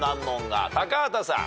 高畑さん。